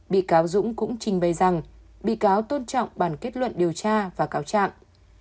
bị cáo dũng cũng trình bày rằng bị cáo tôn trọng bản kết luận điều tra và cáo trạng